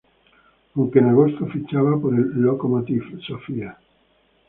Aunque en agosto ficha por el Lokomotiv Sofia.